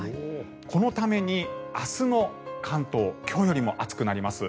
このために、明日の関東今日よりも暑くなります。